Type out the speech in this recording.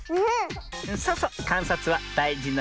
そうそうかんさつはだいじのミズよ。